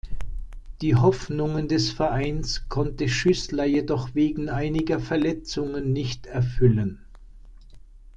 Die Hoffnungen des Vereins konnte Schüßler jedoch wegen einiger Verletzungen nicht erfüllen.